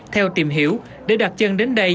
theo tìm hiểu để đặt chân đến đây